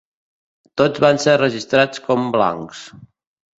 Tots van ser registrats com blancs.